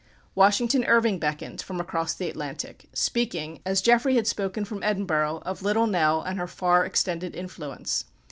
Washington Irving beckoned from across the Atlantic, speaking, as Jeffrey had spoken from Edinburgh, of Little Nell and her far extended influence.